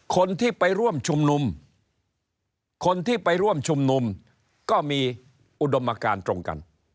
คนที่ไปร่วมชุมนุมก็มีอุดมการตรงกัน